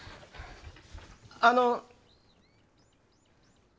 あの。